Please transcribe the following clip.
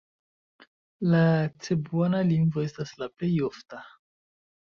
La cebuana lingvo estas la plej ofta.